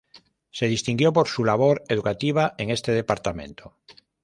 Se distinguió por su labor educativa en este departamento.